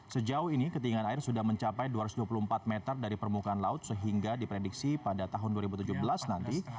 sejauh ini ketinggian air sudah mencapai dua ratus dua puluh empat meter dari permukaan laut sehingga diprediksi pada tahun dua ribu tujuh belas nanti